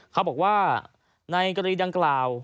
เขาบอกว่าในกรณีดังกล่าว